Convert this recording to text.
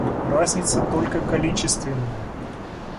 Разница только количественная.